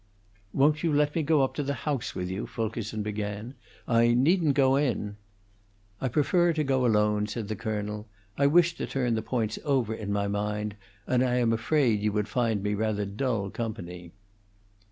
"Won't you let me go up to the house with you?" Fulkerson began. "I needn't go in " "I prefer to go alone," said the colonel. "I wish to turn the points over in my mind, and I am afraid you would find me rather dull company."